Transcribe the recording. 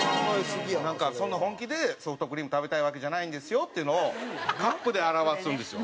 そんな本気でソフトクリーム食べたいわけじゃないんですよっていうのをカップで表すんですよ。